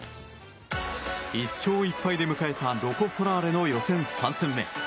１勝１敗で迎えたロコ・ソラーレの予選３戦目。